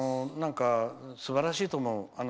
すばらしいと思う。